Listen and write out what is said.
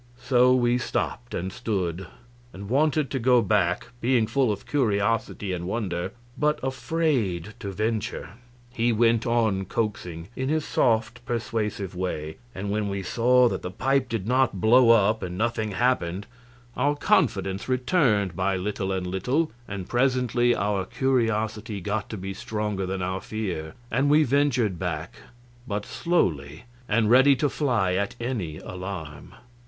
So we stopped and stood, and wanted to go back, being full of curiosity and wonder, but afraid to venture. He went on coaxing, in his soft, persuasive way; and when we saw that the pipe did not blow up and nothing happened, our confidence returned by little and little, and presently our curiosity got to be stronger than our fear, and we ventured back but slowly, and ready to fly at any alarm.